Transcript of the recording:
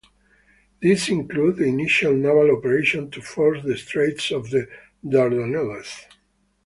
This included the initial naval operation to force the straits of the Dardanelles.